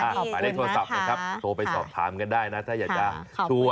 ขอบคุณนะคะไปได้โทรศัพท์นะครับโทรไปสอบถามกันได้นะถ้าอยากจะ